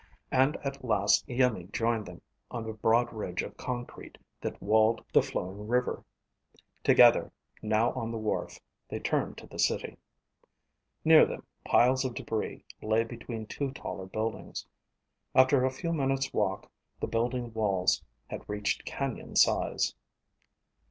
And, at last Iimmi joined them on the broad ridge of concrete that walled the flowing river. Together now on the wharf, they turned to the city. Near them, piles of debris lay between two taller buildings. After a few minutes' walk the building walls had reached canyon size.